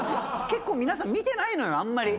結構皆さん見てないのよあんまり。